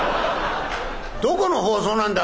どこの放送なんだ？